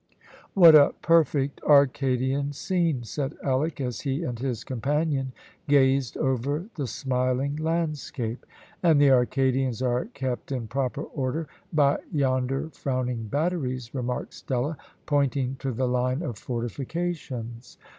"What a perfect Arcadian scene!" said Alick, as he and his companion gazed over the smiling landscape. "And the Arcadians are kept in proper order by yonder frowning batteries," remarked Stella, pointing to the line of fortifications.